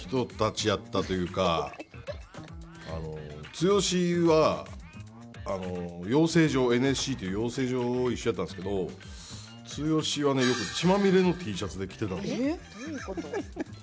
剛は、ＮＳＣという養成所一緒やったんですけど、剛はねよく血まみれのＴシャツで来てたんですよ。